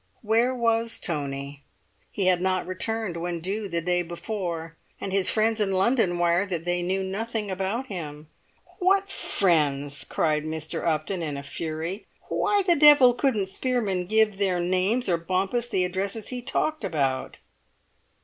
Where was Tony? He had not returned when due the day before, and his friends in London wired that they knew nothing about him. "What friends?" cried Mr. Upton, in a fury. "Why the devil couldn't Spearman give their names or Bompas the addresses he talked about?"